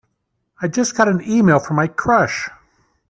I just got an e-mail from my crush!